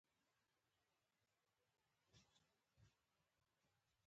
صحي خواړه د بدن انرژي زیاتوي.